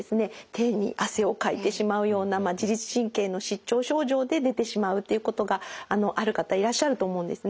手に汗をかいてしまうような自律神経の失調症状で出てしまうっていうことがある方いらっしゃると思うんですね。